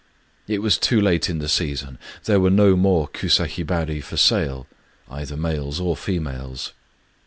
It was too late in the season; there were no more kusa hibari for sale, — either males or females.